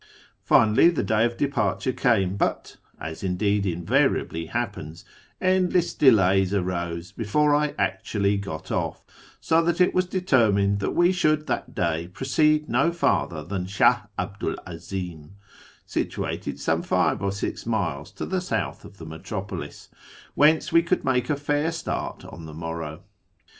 Finally the day of departure came, but (as indeed invariably happens) endless delays arose before I actually got off, so that it was determined that we should that day proceed no farther than Shiih 'Abdu '1 Azim (situated some live or six miles to the south of the metropolis), whence we could make a fair start on the morrow.